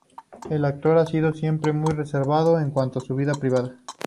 El actor ha sido siempre muy reservado en cuanto a su vida privada.